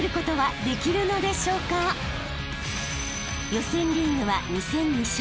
［予選リーグは２戦２勝］